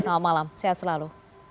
selamat malam sehat selalu